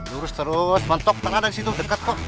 durus terus bentuk tengah dari situ deket kok